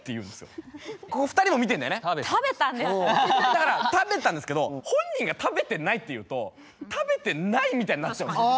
だから食べたんですけど本人が「食べてない」って言うと食べてないみたいになっちゃうんですよ。